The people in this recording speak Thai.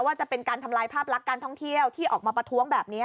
ว่าจะเป็นการทำลายภาพลักษณ์การท่องเที่ยวที่ออกมาประท้วงแบบนี้